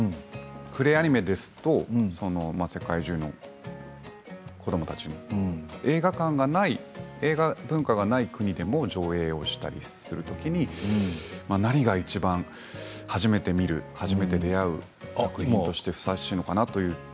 クレイアニメですと世界中の子どもたちに映画館がない、映画文化がない国でも上映したりするときに何がいちばん初めて見る初めて出会う作品としてふさわしいのかなと。